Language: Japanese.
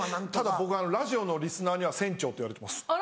ただ僕ラジオのリスナーには船長って言われてます。